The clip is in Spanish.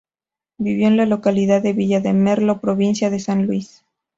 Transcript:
Vivió en la localidad de Villa de Merlo, Provincia de San Luis.